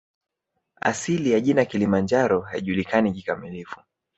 Asili ya jina Kilimanjaro haijulikani kikamilifu